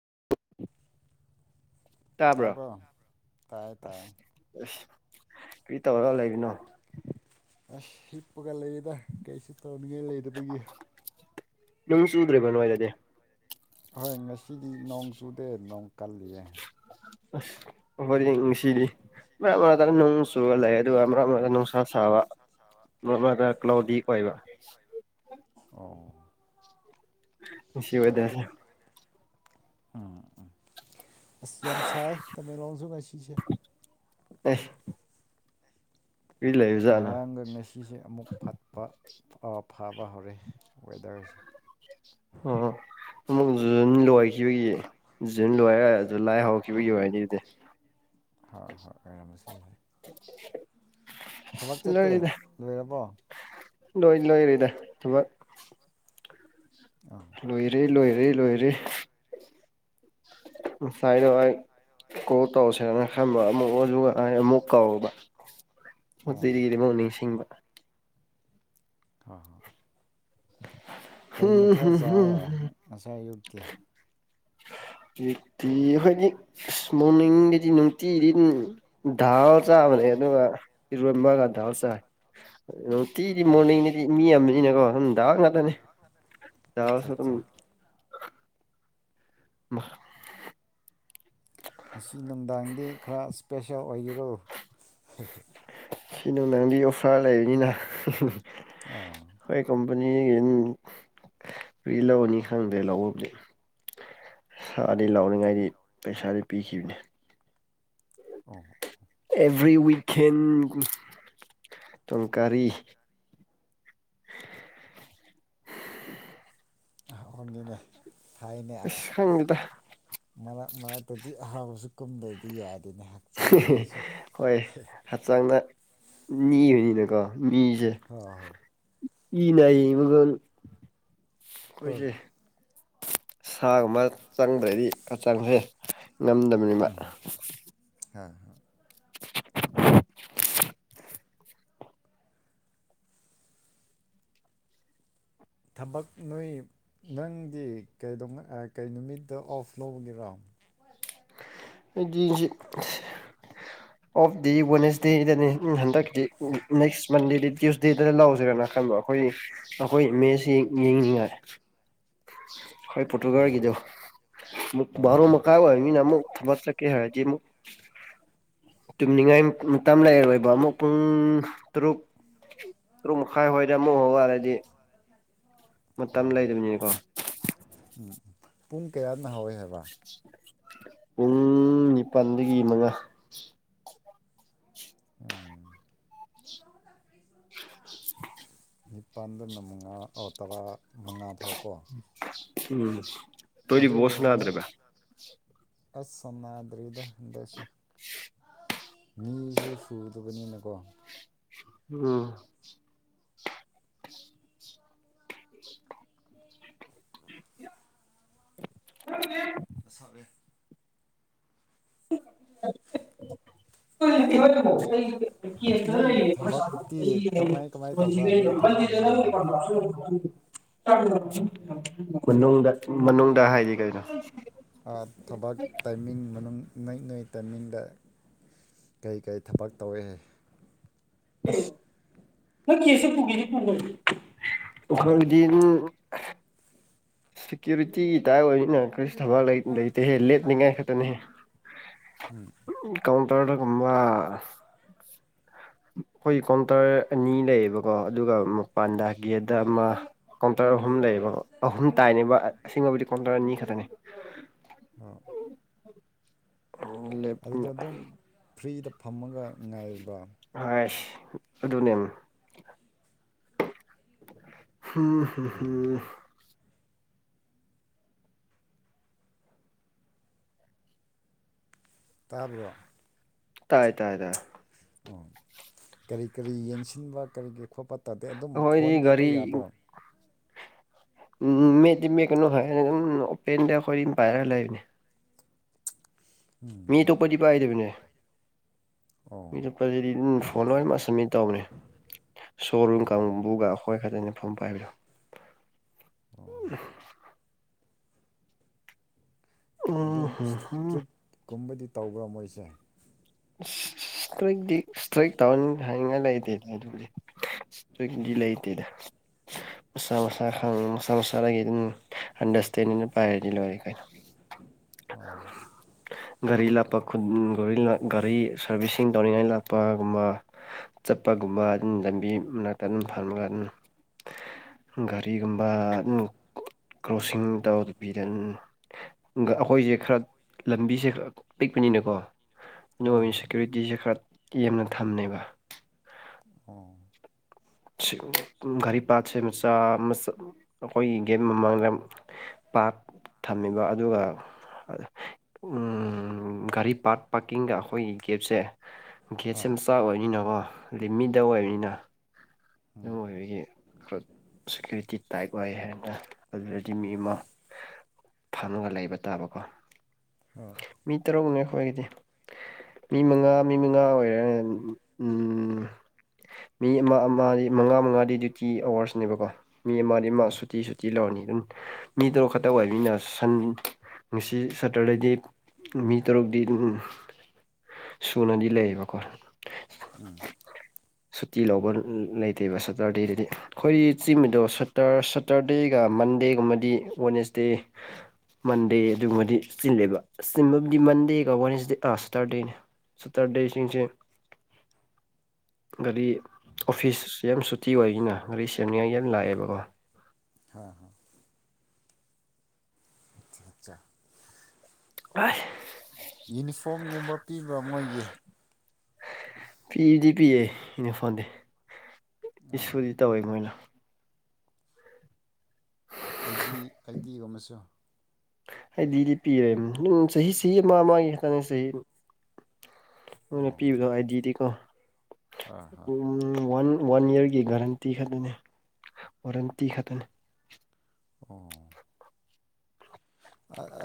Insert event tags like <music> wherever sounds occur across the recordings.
<unintelligible> ꯇꯥꯕ꯭ꯔꯣ ꯇꯥꯏ ꯇꯥꯏ ꯑꯁ ꯑꯁ ꯀꯔꯤ ꯇꯧꯔꯒ ꯂꯩꯕꯅꯣ ꯑꯁ ꯍꯤꯛꯄꯒ ꯂꯩꯌꯦꯗ ꯀꯩꯁꯨ ꯇꯧꯅꯤꯡꯉꯥꯏ ꯂꯩꯗꯕꯒꯤ꯫ ꯅꯨꯡ ꯆꯨꯗ꯭ꯔꯤꯕ ꯅꯣꯏꯗꯗꯤ꯫ ꯍꯣꯏ ꯉꯁꯤꯗꯤ ꯅꯣꯡ ꯆꯨꯗꯦ ꯅꯣꯡ ꯀꯜꯗꯦ꯫ ꯋꯥꯔꯦ ꯉꯥꯁꯤꯗꯤ ꯃꯔꯛ ꯃꯔꯛꯇꯥ ꯅꯣꯡ ꯆꯨꯨꯔ ꯂꯩꯌꯦ ꯑꯗꯨꯒ ꯃꯔꯛ ꯃꯔꯛꯇ ꯅꯨꯡꯁꯥ ꯁꯥꯕ ꯃꯔꯛ ꯃꯔꯛꯇ ꯀ꯭ꯂꯥꯎꯗꯤ ꯑꯣꯏꯕ ꯍꯣꯏ ꯑꯣ <inaudible> ꯑꯗꯨ ꯋꯦꯗꯔꯁꯦ ꯑꯥ ꯑꯁ ꯌꯥꯝ ꯁꯥꯏ ꯇꯥꯃꯦꯡꯂꯣꯡꯁꯨ ꯉꯁꯤꯁꯦ꯫ ꯑꯩ ꯉꯔꯥꯡꯒ ꯉꯁꯤꯁꯦ ꯑꯃꯨꯛ ꯐꯠꯄ ꯐꯥꯕ ꯍꯧꯔꯦ ꯋꯦꯗꯔꯁꯦ꯫ ꯎꯝ ꯑꯃꯨꯛ ꯖꯨꯟ ꯂꯣꯏꯈꯤꯕꯒꯤ ꯖꯨꯟ ꯂꯣꯏꯔꯥ ꯖꯨꯂꯥꯏ ꯍꯧꯈꯤꯕꯒꯤ ꯑꯣꯏꯅꯤ ꯑꯗꯨꯗꯤ ꯍꯣꯏ ꯍꯣꯏ ꯑꯣꯏꯔꯝꯕꯥꯁꯨ ꯌꯥꯏ ꯊꯕꯛ ꯆꯠꯇꯦ ꯂꯣꯏꯔꯦꯗ ꯂꯣꯏꯔꯕꯣ ꯂꯣꯏ ꯂꯣꯏꯔꯦꯗꯥ ꯊꯕꯛ ꯑꯥ ꯂꯣꯏꯔꯦ ꯂꯣꯏꯔꯦ ꯂꯣꯏꯔꯦ꯫ <unintelligible> ꯀꯣꯜ ꯇꯧꯁꯦꯅ ꯈꯟꯕꯥ ꯑꯃꯨꯛ ꯀꯥꯎꯕ ꯍꯣꯏ ꯑꯃꯨꯛ ꯅꯤꯡꯁꯤꯡꯕ ꯍꯥ ꯀꯔꯤ ꯍꯨꯝ ꯃꯥꯊꯦꯜ ꯍꯨꯝ ꯍꯨꯝ ꯆꯥꯏꯌꯦ ꯍꯨꯝ ꯉꯁꯥꯏ ꯑꯌꯨꯛꯇꯤ꯫ ꯍꯧꯖꯤꯛꯇꯤ ꯑꯩꯈꯣꯏꯗꯤ ꯏꯁ ꯃꯣꯔꯅꯤꯡꯒꯤꯗꯤ ꯅꯨꯡꯇꯤꯗꯤ ꯗꯥꯜ ꯆꯥꯕꯅꯦ ꯑꯗꯨꯒ ꯏꯔꯣꯏꯕꯒ ꯇꯧꯔꯒꯥ ꯆꯥꯏ ꯅꯨꯡꯇꯤꯗꯤ ꯑꯣ ꯃꯣꯔꯅꯤꯡꯅꯤꯗꯤ ꯃꯤ ꯑꯃꯅꯤꯅꯀꯣ ꯅ ꯅꯨꯡꯗꯥꯡ ꯉꯥꯛꯇꯅꯦ꯫ ꯑꯠꯆꯥ ꯗꯥꯜꯁꯨ ꯑꯠꯆꯥ ꯑꯗꯨꯝ <unintelligible> ꯉꯁꯤ ꯅꯨꯡꯗꯥꯡꯗꯤ ꯈꯔ ꯏꯁꯄꯦꯁꯦꯜ ꯑꯣꯏꯕꯤꯔꯣ ꯁꯤ ꯅꯨꯡꯗꯥꯟ ꯗꯤ ꯑꯣꯗꯐ꯭ꯔꯥ ꯂꯩꯥꯏꯅꯤꯅ ꯑꯣ ꯍꯣꯏ ꯀꯝꯄꯅꯤꯒꯤ ꯑꯗꯨ ꯃꯤ ꯂꯧꯅꯤ ꯈꯪꯗ꯭ꯔꯦ ꯂꯧꯕꯨꯗꯤ ꯁꯥꯗꯤ ꯂꯥꯎꯅꯤꯡꯉꯥꯏꯗꯤ ꯄꯩꯁꯥꯗꯤ ꯄꯤꯈꯤꯕꯅꯤ꯫ ꯑꯣ ꯍꯣ ꯑꯦꯚ꯭ꯔꯤ ꯋꯤꯀꯦꯟ ꯇꯣꯡꯀꯔꯤ꯫ ꯍꯣꯡꯉꯅꯦ ꯊꯥꯏꯅꯦ ꯑꯁ ꯈꯪꯗꯦꯗ <unintelligible> ꯃꯔꯛ ꯃꯔꯛꯇꯗꯤ ꯑꯍꯥꯎꯕꯁꯨ ꯀꯨꯝꯗ꯭ꯔꯗꯤ ꯌꯥꯗꯦꯅꯤ ꯍꯥꯏ ꯍꯣꯏ ꯍꯛꯆꯥꯡꯗ ꯅꯤꯕꯅꯤꯅꯀꯣ ꯃꯤꯁꯦ꯫ ꯍꯣ ꯍꯣ ꯏꯅꯥꯏ ꯃꯒꯜ ꯍꯣꯏ ꯀꯣꯏꯁꯦ꯫ ꯁꯥꯒꯨꯝꯕ ꯆꯪꯗ꯭ꯔꯗꯤꯆꯪꯁꯦ ꯉꯝꯗꯕꯅꯤꯅ꯫ ꯍꯥ ꯊꯕꯛ ꯅꯣꯏ ꯅꯪꯗꯤꯩ ꯀꯩ ꯅꯨꯃꯤꯠꯇ ꯑꯣꯐ ꯂꯧꯕꯒꯤꯔꯣ? ꯑꯩ ꯗꯤꯁꯤ ꯑꯣꯐ ꯗꯤ ꯋꯥꯋꯦꯟꯁꯗꯦꯗꯅꯤ ꯍꯟꯗꯛꯇꯤ ꯅꯦꯛꯁ ꯃꯟꯗꯦꯗꯤ ꯇ꯭ꯌꯨꯁꯗꯦꯗꯅ ꯂꯧꯁꯤꯔꯅꯅꯥ ꯈꯟꯕ ꯑꯩꯈꯣꯏꯒꯤ ꯑꯩꯈꯣꯏ ꯃꯦꯁ ꯌꯦꯡꯅꯤꯡꯉꯥꯏ ꯍꯣꯏ ꯄꯣꯇꯒꯔ ꯍꯣꯏ ꯀꯗꯣ ꯃꯨꯛ ꯕꯥꯔꯣ ꯍꯣꯏ ꯃ ꯀꯥꯏ ꯍꯥꯏꯃꯤꯅ ꯑꯃꯨꯛ ꯃ ꯆ ꯀꯦ ꯍꯥꯏ ꯑꯃꯨ ꯇꯨꯝꯅꯤꯡꯉꯥꯏ ꯃꯇꯝ ꯂꯩꯔꯣꯏꯕ ꯑꯃꯨꯛ ꯄꯨꯡ ꯇꯔꯨꯛ ꯔꯨꯝꯃ ꯈꯥꯏ ꯍꯣꯏꯗ ꯃꯨꯍꯣ ꯋꯥꯔꯦꯗꯤ ꯃꯇꯝ ꯂꯩꯗꯕꯅꯤꯀꯣ ꯎꯝ ꯎ ꯄꯨꯡ ꯀꯌꯥꯅ ꯍꯧꯋꯏ ꯍꯥꯏꯕ ꯄꯨꯡ ꯅꯤꯄꯜꯗꯒꯤ ꯃꯉꯥ ꯎꯝ <unintelligible> ꯅꯤꯄꯥꯜꯗꯅ ꯃꯉꯥ ꯇꯔꯥ ꯃꯉꯥ ꯐꯥꯎ ꯀꯣ ꯎꯝ ꯇꯣꯏꯔꯤ ꯅꯣꯏ ꯣꯁꯅꯗ꯭ꯔꯦꯕ ꯑꯁ ꯁꯝꯅꯥꯗ꯭ꯔꯔꯤꯗꯗꯁꯤ ꯃꯤꯁꯨ ꯁꯨꯗꯕꯅꯤꯅꯀꯣ ꯎꯝ ꯎꯦ ꯃ ꯁꯛꯂꯦ ꯎꯝ <unintelligible> <unintelligible> ꯅꯣꯏ ꯊꯕꯛꯇꯤ ꯀꯃꯥꯏ ꯀꯃꯥꯏ ꯇꯧꯕ꯭ꯔꯥ ꯅꯣꯏ ꯊꯕꯛ ꯃꯅꯨꯡꯗ ꯃꯅꯨꯡꯗ ꯃꯅꯨꯡꯗ ꯍꯥꯏꯗꯤ ꯀꯩꯅꯣ ꯊꯕꯛ ꯇꯥꯏꯃꯤꯡ ꯃꯅꯨꯡ ꯅꯣꯏ ꯅꯣꯏ ꯇꯥꯏꯃꯤꯡꯗ ꯀꯔꯤ ꯀꯔꯤ ꯊꯕꯛ ꯇꯧꯋꯦ ꯎꯝ ꯅꯪ ꯀꯦꯁꯈꯤꯈ ꯎꯈꯔꯗꯤꯝ <unintelligible> ꯁꯦꯀ꯭ꯌꯨꯔꯤꯇꯤꯒꯤ ꯇꯥꯏꯞ ꯑꯣꯏꯅꯤꯅ ꯀꯔꯤꯁꯨ ꯊꯕꯛ ꯂꯩꯇꯦꯍꯦ ꯂꯦꯞꯅꯤꯡꯉꯥꯏ ꯈꯛꯇꯅꯤꯍꯦ ꯎꯝ ꯀꯥꯎꯟꯇꯔꯗ ꯀꯨꯝꯕ ꯑꯩꯈꯣꯏ ꯀꯥꯎꯟꯇꯔ ꯑꯅꯤ ꯂꯩꯌꯦꯕꯀꯣ ꯑꯗꯨꯒ ꯄꯥꯟꯗꯥ ꯒꯦꯗ ꯑꯃ ꯀꯥꯎꯟꯇꯔ ꯑꯍꯨꯝ ꯂꯩꯌꯦꯕ ꯑꯍꯨꯝ ꯇꯥꯏꯅꯦꯕꯕꯕꯨꯗꯤ ꯀꯥꯎꯟꯇꯔ ꯑꯅꯤ ꯈꯛꯇꯅꯦ ꯑꯥ ꯂꯦꯞ ꯑꯗꯨꯗ ꯑꯗꯨꯝ ꯐ꯭ꯔꯤꯗ ꯐꯝꯃꯒ ꯉꯥꯏꯕ꯭ꯔꯥ ꯍꯥꯏꯁ ꯑꯗꯨꯅꯦ ꯍꯝ ꯍ ꯍꯝ ꯇꯥꯕ꯭ꯔꯣ ꯥꯏ ꯇꯥꯏ ꯇ ꯑꯣ ꯀꯔꯤ ꯀꯔꯤ ꯌꯦꯡꯁꯤꯟꯕ ꯀꯔꯤ ꯀꯔꯤ ꯈꯣꯠꯄ ꯇꯥꯗꯦ ꯑꯗꯨꯝ ꯐꯣꯟ ꯑꯩꯈꯣꯏꯗꯤ ꯃꯦꯞꯄ ꯒꯥꯔꯤ ꯌꯥꯕ꯭ꯔꯥ ꯎꯝ ꯃꯦꯗꯤ ꯃꯦ ꯀꯩꯅꯣ ꯍꯥꯏꯔ ꯑꯗꯨꯝ ꯑꯣꯄꯦꯟꯗ ꯑꯩꯈꯣꯏꯗꯤ ꯑꯗꯨꯝ ꯄꯥꯏꯔꯒ ꯂꯩꯕꯅꯦ ꯃꯤ ꯑꯇꯣꯞꯄꯗꯤ ꯄꯥꯏꯗꯕꯅꯦ ꯑꯣ ꯆꯠꯄꯁꯤꯗꯤ ꯐꯣꯟ ꯂꯣꯏꯅꯃꯛꯁꯃꯤꯠ ꯇꯧꯕꯅꯦ ꯁꯣꯔꯨꯝ ꯑꯣ ꯀꯥꯡꯕꯨꯒ ꯑꯩꯈꯣꯏ ꯈꯛꯇꯅꯤ ꯃꯐꯝ ꯄꯥꯏꯕꯤꯌꯨ ꯑꯣ ꯎꯝ ꯑꯗꯨꯝ ꯍꯝ ꯍꯝ ꯏꯁꯇ꯭ꯔꯤꯛꯀꯨꯝꯕꯗꯤ ꯇꯧꯕ꯭ꯔꯥ ꯃꯣꯏꯁꯦ ꯁ꯭ꯋꯗꯤ ꯏꯁꯇ꯭ꯔꯛ ꯇꯧꯟ ꯍꯥꯏꯅꯤꯡꯉꯥꯏ ꯂꯩꯇꯦꯗ ꯑꯗꯨꯗꯤ ꯏꯁꯇ꯭ꯔꯛꯗꯤ ꯂꯩꯇꯦꯗ ꯥ ꯑꯗꯔꯇ ꯄ ꯑꯥꯎ ꯒꯥꯔꯤ ꯂꯥꯛꯄ ꯒꯥꯔꯤ ꯁꯥꯔꯚꯤꯁꯁꯤꯡ ꯇꯧꯅꯤꯡꯉꯥꯏ ꯂꯥꯛꯄꯒꯨꯝꯕ ꯆꯠꯄꯒꯨꯝꯕ ꯑꯗꯨꯝ ꯂꯝꯕꯤ ꯃꯅꯥꯛꯇ ꯑꯗꯨꯝ ꯐꯃꯒ ꯑꯗꯨꯝ ꯒꯥꯔꯤꯒꯨꯝꯕ ꯀ꯭ꯔꯣꯁꯤꯡ ꯇꯧꯗꯕꯤꯗ ꯑꯩꯈꯣꯏꯁꯦ ꯈꯔ ꯂꯝꯕꯤꯁꯦ ꯄꯤꯛꯄꯅꯤꯅꯀꯣ ꯍꯣꯏ ꯅꯣꯡ ꯁꯦ ꯍꯣꯏ ꯀꯀꯌꯨꯔꯤꯇꯤꯁꯦ ꯈꯔ ꯌꯥꯝꯦꯝꯅ ꯊꯝꯃꯦꯕ ꯑꯣ ꯔꯤ ꯄꯥ ꯃꯆꯥ ꯑꯩꯈꯣꯏ ꯝ ꯃꯥꯡꯦ ꯄꯥꯠ ꯊꯝꯃꯤꯕ ꯑꯗꯨꯒ ꯒꯥꯔꯤ ꯄꯥꯔ ꯄꯥꯔꯀꯤꯡꯒ ꯑꯩꯈꯣꯏꯒꯤ ꯀꯦꯞꯁꯦ ꯒꯦꯠꯁꯦ ꯍꯣꯏ ꯌꯥꯝ ꯆꯥꯛ ꯑꯣꯏꯕꯅꯤꯅꯀꯣ ꯂꯤꯃꯤꯗ ꯑꯣꯏꯕꯅꯤꯅ ꯎꯝ ꯑꯗꯨ ꯑꯣꯏꯕꯒꯤ ꯈꯔ ꯁꯦꯀ꯭ꯌꯨꯔꯤꯇꯤ ꯇꯥꯏꯞ ꯑꯣꯏ ꯍꯥꯏꯇꯥꯔꯦ ꯑꯗꯨꯗꯗꯤ ꯃꯤ ꯑꯃ ꯐꯪꯉꯒ ꯂꯩꯕ ꯇꯥꯕꯀꯣ ꯑꯥ ꯃꯤ ꯇꯔꯨꯛꯃꯉꯥꯏ ꯑꯩꯈꯣꯏꯒꯤꯗꯤ ꯃꯤ ꯃꯉꯥ ꯃꯤ ꯃꯉꯥ ꯑꯣꯏ ꯎꯝ ꯃꯤ ꯑꯃ ꯃꯉꯥ ꯃꯉꯥꯗꯤ ꯗ꯭ꯌꯨꯇꯤ ꯑꯋꯥꯋꯔꯁꯅꯦꯕꯀꯣ ꯃꯤ ꯑꯃ ꯑꯃ ꯍꯣꯏ ꯁꯨꯇꯤ ꯁꯨ ꯂꯧꯔꯅꯤ ꯑꯗꯨꯝ ꯃꯤ ꯇꯔꯣ ꯈꯛꯇ ꯑꯣꯏꯕꯅꯤꯅ ꯁꯟ ꯉꯁꯤ ꯁꯇꯔꯗꯦꯗꯤ ꯃꯤ ꯇꯔꯨꯛꯇꯤ ꯁꯨꯅꯗꯤ ꯂꯩꯌꯦꯕꯀꯣ ꯎꯝ ꯁꯨꯇꯤ ꯂꯧꯕ ꯂꯩꯇꯦꯕ ꯁꯦꯇꯔꯗꯦꯗꯗꯤ ꯑꯩꯈꯣꯏꯒꯤ ꯆꯤꯡꯃꯤꯗꯣꯇ ꯁꯇꯔꯗꯦꯒ ꯃꯟꯗꯦꯒꯨꯝꯕꯗꯤ ꯋꯥꯅꯦꯁꯗꯦ ꯟꯗꯦ ꯑꯗꯨꯒꯕꯗꯤ ꯆꯤꯂꯦꯕ ꯆꯤꯟꯕꯕꯨꯗꯤ ꯃꯟꯗꯦ ꯀ ꯦꯁꯗꯦ ꯑꯥ ꯁꯦꯇꯔꯗꯦꯅꯦ ꯁꯠꯇꯔ ꯗꯦꯁꯅꯤꯁꯦ ꯒꯥꯔꯤ ꯑꯣꯐꯤꯁ ꯌꯥꯝ ꯁꯨꯇꯤ ꯑꯣꯏꯅꯤꯅ ꯒꯥꯔꯤ ꯁꯦꯝꯅꯤꯡꯉꯥꯏ ꯌꯥꯝ ꯂꯥꯛꯑꯦꯕꯀꯣ ꯍꯥ ꯍ ꯏꯠꯇꯆꯥ ꯑꯁ ꯌꯨꯅꯤꯐꯣꯔꯝꯒꯨꯝꯕ ꯄꯤꯕ꯭ꯔꯥ ꯃꯣꯏꯒꯤ ꯄꯤꯗꯤ ꯄꯤꯌꯦꯦ ꯏꯅꯤ ꯐꯣꯟꯗꯤ ꯑꯣ ꯏꯗꯤ ꯇꯧꯋꯦ ꯃꯣꯏꯅ <unintelligible> ꯑꯩ ꯗꯤ ꯑꯩ ꯗꯤꯒꯨꯝ ꯑꯃꯁꯨ ꯍꯥꯏꯗꯤꯗꯤ ꯄꯤꯔꯦ ꯆꯍꯤ ꯆꯍꯤ ꯑꯃ ꯑꯃꯒꯤ ꯈꯛꯇꯅꯦ ꯆꯍꯤ ꯃꯅ ꯄꯤꯕꯗ ꯑꯥꯏꯗꯤꯗꯤꯀꯣ ꯑꯥ ꯍꯥ ꯋꯥꯟ ꯋꯥꯟ ꯏꯌꯥꯔꯒꯤ ꯒꯥꯔꯦꯟꯇꯤ ꯈꯛꯇꯅꯤ ꯋꯥꯔꯦꯟꯇꯤ ꯈꯛꯇꯅꯤ ꯑꯣ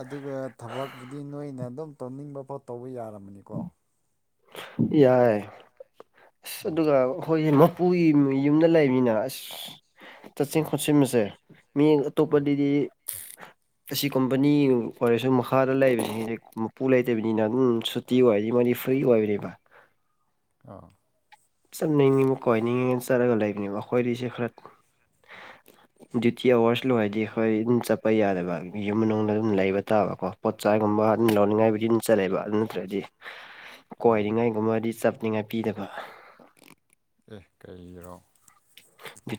ꯑꯗꯨꯒ ꯊꯕꯛꯄꯨꯗꯤ ꯅꯣꯏꯅ ꯑꯗꯨꯝ ꯇꯧꯅꯤꯡꯕ ꯄꯣꯠ ꯇꯧꯕ ꯌꯥꯔꯃꯅꯤꯀꯣ ꯌꯥꯏ ꯑꯁ ꯎꯝ ꯑꯗꯨꯒ ꯑꯩꯈꯣꯏꯁꯦ ꯃꯄꯨꯒꯤ ꯌꯨꯝꯗ ꯂꯩꯕꯃꯤꯅ ꯑꯁ ꯍ ꯆꯠꯁꯤꯟ ꯈꯣꯠꯆꯤꯟꯕꯁꯦ ꯃꯤ ꯑꯇꯣꯞꯄꯗꯗꯤ ꯑꯁꯤ ꯀꯣꯝꯄꯅꯤ ꯑꯣꯏꯔꯁꯨ ꯃꯈꯥꯗ ꯂꯩꯕꯁꯤꯡ ꯄꯨ ꯂꯩꯇꯕꯅꯤꯅ ꯑꯗꯨꯝ ꯁꯨꯇꯤ ꯑꯣꯏꯗꯤ ꯃꯣꯏꯗꯤ ꯐ꯭ꯔꯤ ꯑꯣꯏꯕꯕ ꯑꯥ ꯆꯠꯅꯤꯡꯉꯤꯕ ꯀꯣꯏꯅꯤꯡꯉꯤꯉ ꯆꯠꯂꯒ ꯂꯩꯕꯅꯦꯕ ꯑꯩꯈꯣꯏꯗꯁꯦ ꯈꯔ ꯗ꯭ꯌꯨꯇꯤ ꯑꯋꯥꯔꯁ ꯂꯣꯏ ꯍꯥꯏꯔꯗꯤ ꯑꯩꯈꯣꯏ ꯠꯄ ꯌꯥꯗꯕ ꯌꯨꯝ ꯃꯅꯨꯡꯗ ꯑꯗꯨꯝ ꯂꯩꯕ ꯇꯥꯕꯀꯣ ꯄꯣꯠꯆꯥꯏꯒꯨꯝꯕ ꯑꯗꯨꯝ ꯂꯧꯅꯤꯡꯉꯥꯏꯕꯨꯗꯤ ꯑꯗꯨꯝ ꯆꯠꯂꯦꯕ ꯑꯗꯨ ꯅꯠꯇ꯭ꯔꯒꯗꯤ ꯑꯣ ꯀꯣꯏꯔꯤꯉꯥꯏꯒꯨꯝꯕꯗꯤ ꯆꯞꯅꯤꯡꯉꯥꯏ ꯄꯤꯗꯕ ꯑꯦ ꯀꯩꯔꯣ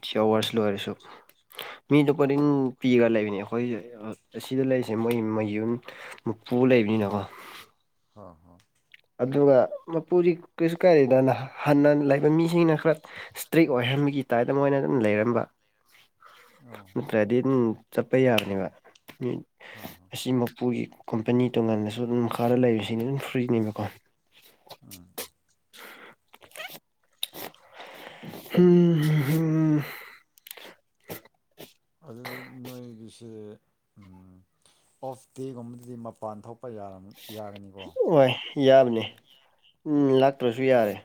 ꯊ꯭ꯤ ꯑꯋꯥꯔꯁ ꯂꯣꯏꯔꯁꯨ ꯃꯤꯗꯣ ꯀꯔꯤꯡ ꯄꯤꯔꯒ ꯂꯩꯕꯅꯦ ꯑꯩꯈꯣꯏ ꯑꯁꯤꯗ ꯂꯩꯔꯤꯁꯦ ꯃꯣꯏ ꯃꯌꯨꯝ ꯃꯄꯨ ꯂꯩꯕꯅꯤꯅꯀꯣ ꯍꯥ ꯍ ꯑꯗꯨꯒ ꯃꯄꯨꯔꯤ ꯀꯩꯁꯨ ꯀꯥꯏꯗꯗꯅ ꯍꯟꯅ ꯂꯩꯕ ꯃꯤꯁꯤꯡꯅ ꯈꯔ ꯏꯁꯇ꯭ꯔꯤꯛ ꯑꯣꯏꯍꯟꯕꯒꯤ ꯗꯥꯏꯗ ꯃꯣꯏꯅ ꯑꯗꯨꯝ ꯂꯩꯔꯝꯕ ꯑꯥ ꯈꯔꯗꯤ ꯑꯗꯨꯝ ꯆꯠꯄ ꯌꯥꯕꯅꯦꯕ ꯍꯥ ꯍ ꯁꯤ ꯃꯄꯨꯒꯤ ꯀꯝꯄꯅꯤ ꯇꯣꯉꯥꯟꯅꯁꯨ ꯑꯗꯨꯝ ꯃꯈꯥꯔ ꯂꯩꯔꯤꯕꯁꯤꯅ ꯑꯗꯨꯝ ꯐ꯭ꯔꯤꯅꯦꯕꯀꯣ ꯑ <unintelligible> ꯍꯝ ꯎꯝ ꯑꯗꯨꯗꯤ ꯅꯣꯏꯒꯤꯁ ꯑꯣꯐ ꯗꯦꯒꯨꯝꯕꯗꯗꯤ ꯃꯄꯥꯟ ꯊꯣꯛꯄ ꯌꯥꯒꯅꯤꯀꯣ ꯍꯣꯏ ꯌꯥꯕꯅꯤꯝ ꯂꯥꯛꯇ꯭ꯔꯁꯨ ꯌꯥꯔꯦ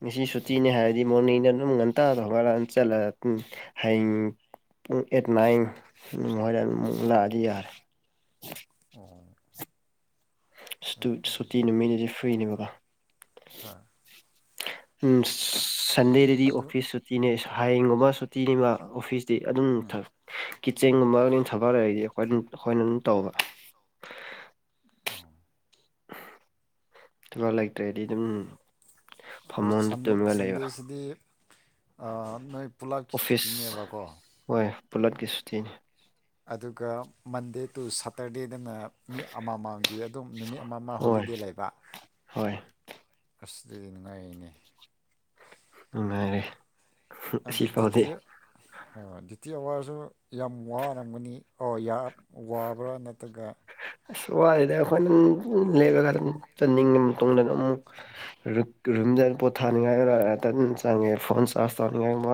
ꯉꯁꯤ ꯑꯣ ꯁꯨꯇꯤꯅꯤ ꯍꯥꯏꯔꯗꯤ ꯃꯣꯔꯅꯤꯅ ꯑꯗꯨꯝ ꯉ ꯍꯇꯥꯗꯉ ꯂꯥꯟ ꯆꯠꯂꯒ ꯍꯌꯦꯡ ꯄꯨꯡ ꯑꯦꯠ ꯅꯥꯏꯟ ꯃꯣꯔꯗꯦꯟ ꯑꯃꯨꯛ ꯂꯥꯛꯑꯗꯤ ꯌꯥꯔꯦ ꯑꯣ ꯑꯦ ꯁꯨꯇꯤ ꯑꯗꯨꯗꯤ ꯅꯨꯃꯤꯠꯅꯤꯗꯤ ꯐ꯭ꯔꯤꯅꯦꯕꯀꯣ ꯍꯥ ꯎ ꯁꯟꯗꯦꯗꯗꯤ ꯑꯗꯨ ꯑꯣꯐꯤꯁ ꯁꯨꯇꯤꯅꯦ ꯍꯥꯏꯌꯦꯡꯒꯨꯝꯕꯨ ꯇꯤꯅꯤꯃ ꯑꯣꯐꯤꯁꯇꯤ ꯑꯗꯨꯝ ꯎꯝ ꯊ ꯀꯤꯠꯆꯦꯟꯒꯨꯝꯕ ꯊꯕꯜ ꯂꯩꯒꯗꯤ ꯑꯩꯈꯣꯏꯝ ꯑꯩꯈꯣꯏꯅ ꯑꯗꯨꯝ ꯇꯧꯕ ꯑ ꯊꯕꯛ ꯂꯩꯇ꯭ꯔꯦꯗꯤ ꯑꯗꯨꯝ ꯐꯃꯨꯡꯗ ꯑꯣꯟ ꯇꯨꯝꯃꯒ ꯂꯩꯕ ꯁꯟꯗꯦꯁꯤꯗꯤ ꯅꯣꯏ ꯄꯨꯂꯞꯀꯤ ꯑꯣꯐꯤꯁ ꯁꯨꯇꯤꯅꯦꯕꯀꯣ ꯍꯣꯏ ꯄꯨꯂꯠꯀꯤ ꯁꯨꯇꯤꯅꯤ ꯑꯗꯨꯒ ꯃꯟꯗꯦ ꯇꯨ ꯁꯇꯔꯗꯦꯗꯅ ꯃꯤ ꯑꯃꯃꯝꯒꯤ ꯑꯗꯨꯝ ꯅꯨꯃꯤꯠ ꯑꯃꯃ ꯍꯣꯏ ꯍꯣꯂꯤꯗꯦ ꯂꯩꯕ ꯍꯣꯏ ꯑꯗꯗꯤ ꯅꯨꯡꯉꯥꯏꯔꯤꯅꯦ ꯃꯥꯦ ꯑꯗꯨ ꯗ꯭ꯌꯨꯇꯤ ꯗ꯭ꯌꯨꯇꯤ ꯑꯋꯥꯔꯁꯨ ꯌꯥꯝ ꯋꯥꯔꯝꯒꯅꯤ ꯑꯣ ꯌꯥꯝ ꯋꯥꯕ꯭ꯔꯥ ꯅꯠꯇ꯭ꯔꯒ ꯑꯁ ꯋꯥꯔꯤꯗ ꯑꯩꯈꯣꯏꯅ ꯂꯩꯔꯀ ꯑꯗꯨꯝ ꯆꯟꯅꯤꯡꯉ ꯃꯇꯨꯡꯗ ꯑꯃꯨꯛ ꯔꯨꯝꯖ ꯄꯣꯠꯊꯥꯅꯤꯡꯉꯥꯏ ꯇꯅ ꯆꯪꯉꯦ ꯐꯣꯟ ꯆꯥꯔꯖ ꯇꯧꯅꯤꯡꯉꯥꯏ ꯃ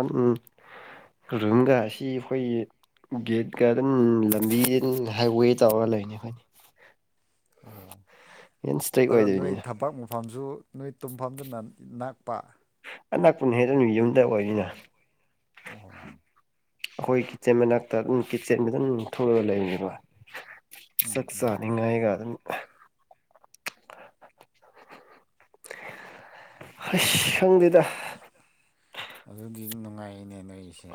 ꯔꯨꯝꯒꯥ ꯑꯁꯤ ꯑꯩꯈꯣꯏꯒꯤ ꯒꯦꯠ ꯒꯥꯔꯗꯟ ꯂꯝꯕꯤ ꯍꯥꯏꯋꯦ ꯆꯥꯎꯔꯒ ꯂꯩꯅꯤ ꯑꯩꯈꯣꯏꯅꯤ ꯑꯣ ꯍꯦꯟ ꯏꯁꯇ꯭ꯔꯤꯛ ꯑꯗꯣ ꯅꯣꯏ ꯑꯣꯏꯗꯣꯏꯅꯤꯅ ꯊꯝꯄꯥꯛ ꯃꯨ ꯇꯐꯝꯁꯨ ꯅꯣꯏ ꯇꯨꯝꯐꯝꯗꯨ ꯅꯛꯄ ꯑꯅꯛꯄꯨꯅ ꯍꯦꯛꯇ ꯌꯨꯝꯗ ꯑꯣꯏꯔꯤꯅ ꯑꯣ ꯑꯩꯈꯣꯏ ꯏꯆꯦ ꯃꯅꯥꯛꯇ ꯅꯨꯡ ꯀꯤ ꯆꯦꯟꯕ ꯑꯗꯨ ꯊꯣꯛꯑꯒ ꯂꯩꯕ ꯎꯝ ꯁꯛꯁꯥ ꯅꯤꯡ ꯉꯥꯏꯒ ꯑꯩꯁ ꯈꯪꯗꯦꯗ ꯑꯗꯨꯗꯤ ꯅꯨꯡꯉꯥꯏꯅꯦ ꯅꯣꯏꯁꯦ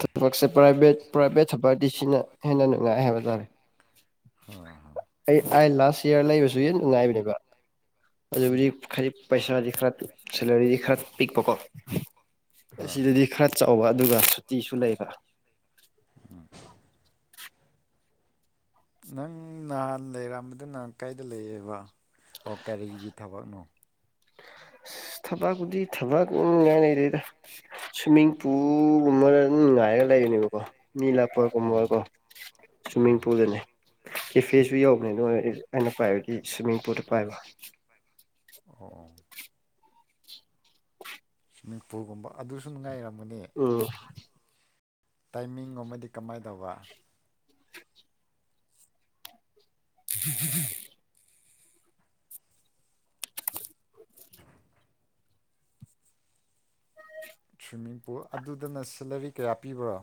ꯊꯕꯛꯁꯦ ꯄ꯭ꯔꯥꯏꯚꯦꯠ ꯄ꯭ꯔꯥꯏꯚꯦꯠ ꯊꯕꯛꯗꯤ ꯁꯤꯅ ꯍꯦꯟꯅ ꯅꯨꯡꯉꯥꯏ ꯍꯥꯏꯕ ꯇꯥꯔꯦ ꯍꯣꯏ ꯍꯣꯏ ꯑꯩ ꯑꯩ ꯂꯥꯁ ꯏꯌꯥꯔ ꯂꯩꯕꯁꯨ ꯍꯦꯟꯅ ꯅꯨꯡꯉꯥꯏꯕꯅꯦꯕ ꯑꯗꯨꯕꯨꯗꯤ ꯈꯗꯤ ꯄꯩꯁꯥꯗꯤ ꯈꯔ ꯁꯦꯂꯔꯤꯗꯤ ꯈꯔ ꯄꯤꯛꯄꯀꯣ ꯍꯣꯏ ꯍꯣꯏ ꯑꯁꯤꯗꯗꯤ ꯈꯔ ꯆꯥꯎꯕ ꯑꯗꯨꯒ ꯁꯨꯇꯤꯁꯨ ꯂꯩꯕ ꯅꯪ ꯅꯍꯥꯟ ꯂꯩꯔꯝꯕꯗꯨ ꯅ ꯀꯥꯏꯗ ꯂꯩꯌꯦꯕ ꯑꯣ ꯀꯔꯤꯒꯤ ꯊꯕꯛꯅꯣ ꯑ ꯊꯕꯛꯄꯨꯗꯤ ꯊꯕꯛ ꯉꯉꯥꯏ ꯂꯩꯔꯦꯗ ꯁ꯭ꯋꯤꯃꯤꯡ ꯄꯨ ꯒꯨꯝꯕꯗ ꯑꯗꯨ ꯉꯥꯏꯔꯒ ꯂꯩꯒꯅꯦꯕꯀꯣ ꯃꯤ ꯂꯥꯛꯄ ꯑꯣ ꯀꯨꯝꯕꯀꯣ ꯍꯣꯏ ꯍꯣꯏ ꯁ꯭ꯋꯤꯝꯃꯤꯡ ꯑꯣ ꯄꯨꯜꯗꯅꯦ ꯀꯦꯐꯦꯁꯨ ꯌꯧꯕꯅꯦ ꯑꯗꯨꯣ ꯑꯣꯏ ꯑꯩꯅ ꯄꯥꯏꯕꯗꯤ ꯁ꯭ꯋꯤꯝꯃꯤꯡ ꯄꯨꯜꯗ ꯄꯥꯏꯕ ꯑꯣ ꯁ꯭ꯋꯤꯝꯃꯤꯡ ꯄꯨꯜꯒꯨꯝꯕ ꯑꯗꯨꯁꯨ ꯅꯨꯉꯥꯏꯔꯝꯒꯅꯤ ꯎꯝ ꯇꯥꯏꯃꯤꯡꯒꯨꯝꯕꯗꯤ ꯀꯃꯥꯏ ꯇꯧꯕ <inaudible> <inaudible> ꯁ꯭ꯋꯤꯝꯃꯤꯡ ꯄꯨꯜ ꯑꯗꯨꯗꯅ ꯁꯦꯂꯔꯤ ꯀꯌꯥ ꯄꯤꯕ꯭ꯔꯥ